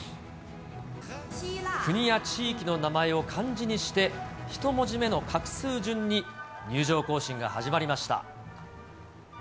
国や地域の名前を漢字にして１文字目の画数順に入場行進が始まりました。